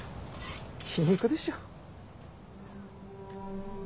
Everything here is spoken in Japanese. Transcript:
皮肉でしょう。